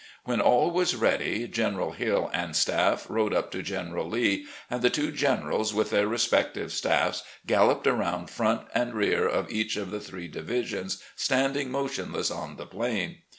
When all was ready. General Hill and staff rode up to General Lee, and the two generals, with their respective staffs, galloped around front and rear of each of the three divisions standing motionless on the plain.